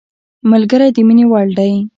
ملګری د مینې وړ دی